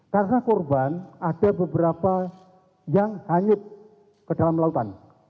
karena korban ada beberapa yang hanyut ke dalam lautan